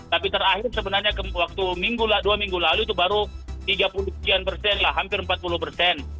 tapi terakhir sebenarnya waktu dua minggu lalu itu baru tiga puluh sekian persen lah hampir empat puluh persen